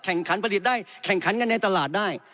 ขันผลิตได้แข่งขันกันในตลาดได้